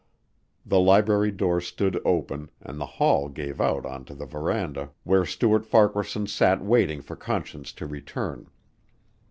The library door stood open and the hall gave out onto the verandah where Stuart Farquaharson sat waiting for Conscience to return.